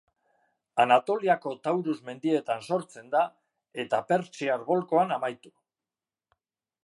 Anatoliako Taurus mendietan sortzen da eta Pertsiar Golkoan amaitu.